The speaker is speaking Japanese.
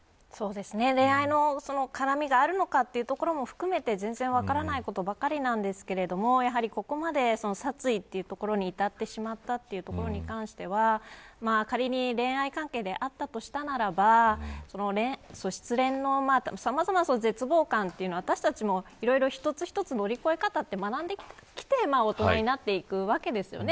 恋愛の絡みがあるのかどうかも含めて全然分からないことばかりですがやはり、ここまで殺意というところに至ってしまったということに関しては仮に恋愛関係であったとしたならば失恋のさまざまな絶望感というのは、私たちもいろいろ一つ一つ乗り越え方を学んで大人になっていくわけです。